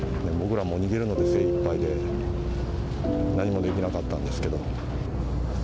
僕ら、もう逃げるので精いっぱいで、何もできなかったんですけど。